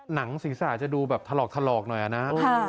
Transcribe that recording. หนังศีรษะจะดูแบบถลอกหน่อยนะ